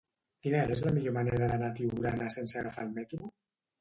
Quina és la millor manera d'anar a Tiurana sense agafar el metro?